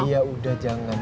iya udah jangan